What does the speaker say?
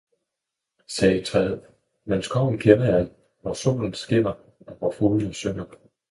sagde træet, men skoven kender jeg, hvor solen skinner, og hvor fuglene synger!